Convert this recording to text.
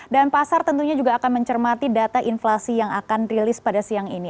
dan pasar tentunya juga akan mencermati data inflasi yang akan rilis pada siang ini